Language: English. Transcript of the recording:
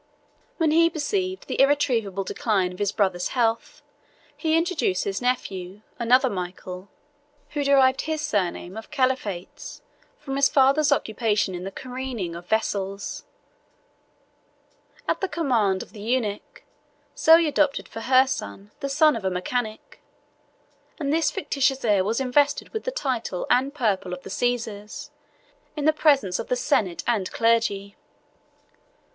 When he perceived the irretrievable decline of his brother's health, he introduced his nephew, another Michael, who derived his surname of Calaphates from his father's occupation in the careening of vessels: at the command of the eunuch, Zoe adopted for her son the son of a mechanic; and this fictitious heir was invested with the title and purple of the Caesars, in the presence of the senate and clergy.